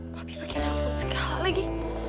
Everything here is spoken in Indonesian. papi pake telepon segala lagi